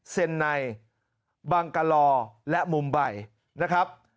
เซ็นไนบังกะลอและมุมใบนะครับ